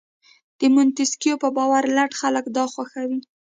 د مونتیسکیو په باور لټ خلک دا خوښوي.